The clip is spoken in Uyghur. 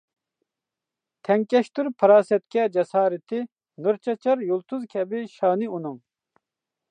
تەڭكەشتۇر پاراسەتكە جاسارىتى، نۇر چاچار يۇلتۇز كەبى شانى ئۇنىڭ.